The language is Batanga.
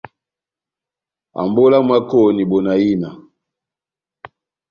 Ambolo ya mwákoni bona ina!